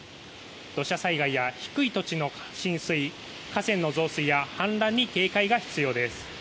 土砂災害や低い土地の浸水河川の増水や氾濫に警戒が必要です。